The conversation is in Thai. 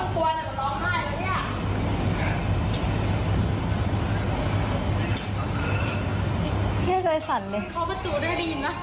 พี่เฮ้ยใจสั่นเลย